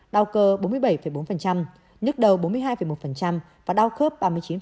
đau cơ bốn mươi bảy bốn nhức đầu bốn mươi hai một và đau khớp ba mươi chín